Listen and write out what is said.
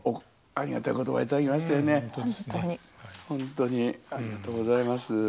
ほんとにありがとうございます。